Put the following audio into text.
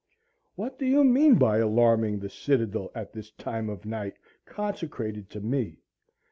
What do you mean by alarming the citadel at this time of night consecrated to me?